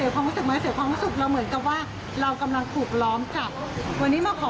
คนหากอยู่ห่างกันระยะกี่เมตร